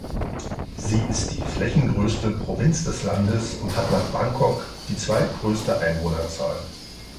Sie ist die flächengrößte Provinz des Landes und hat nach Bangkok die zweitgrößte Einwohnerzahl.